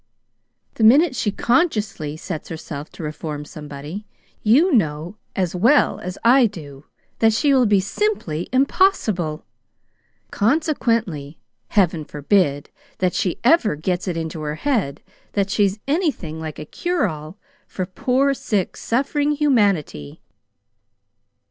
The minute she CONSCIOUSLY sets herself to reform somebody, you know as well as I do that she will be simply impossible. Consequently, Heaven forbid that she ever gets it into her head that she's anything like a cure all for poor, sick, suffering humanity."